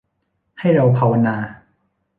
ให้เราภาวนา